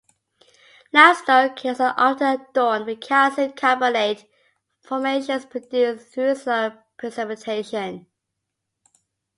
Limestone caves are often adorned with calcium carbonate formations produced through slow precipitation.